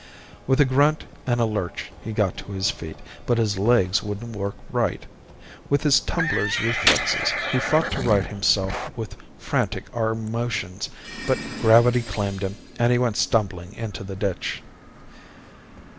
With a grunt and a lurch, he got to his feet, but his legs wouldn't work right. With his tumbler's reflexes, he fought to right himself with frantic arm motions, but gravity claimed him, and he went stumbling into the ditch.